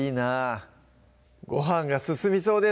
ごはんが進みそうです